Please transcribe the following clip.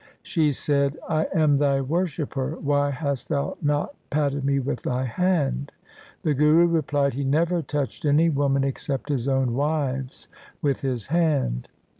She said, ' I am thy worshipper ; why hast thou not patted me with thy hand ?' The Guru replied he never touched any woman except his own wives with his hand.